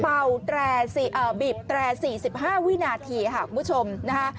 เป่าแตรอ่อบีบแตรสี่สิบห้าวินาทีค่ะคุณผู้ชมนะคะ